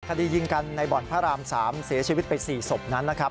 คดียิงกันในบ่อนพระราม๓เสียชีวิตไป๔ศพนั้นนะครับ